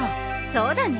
そうだね。